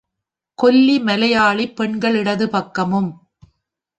கொல்லி மலையாளிப் பெண்கள் இடது பக்கமும்.